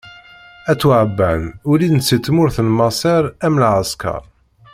At Waɛban ulin-d si tmurt n Maṣer am lɛeskeṛ.